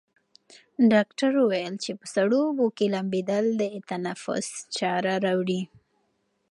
ډاکټره وویل چې په سړو اوبو کې لامبېدل د تنفس چاره راوړي.